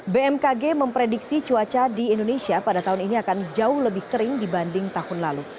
bmkg memprediksi cuaca di indonesia pada tahun ini akan jauh lebih kering dibanding tahun lalu